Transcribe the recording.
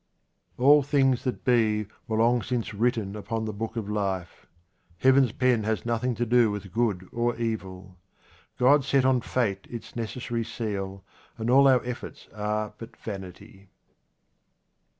All things that be were long since written upon the book of life. Heaven's pen has nothing to do with good or evil. God set on fate its necessary seal, and all our efforts are but vanity.